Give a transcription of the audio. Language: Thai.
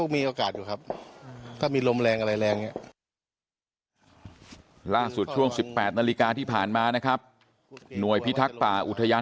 พ่อสเตนไบล์ทั้งรถน้ำทั้งรถเจษฐาบาลทาง